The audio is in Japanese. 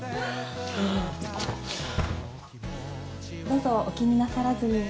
どうぞお気になさらずに。